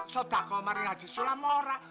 sudah kaya haji sulam orang